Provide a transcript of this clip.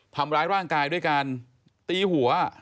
ทำร้ายร่างกายด้วยการตีหัว